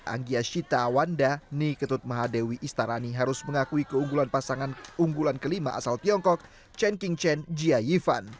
anggia syita wanda ni ketut mahadewi istarani harus mengakui keunggulan pasangan unggulan ke lima asal tiongkok chen king chen jia yifan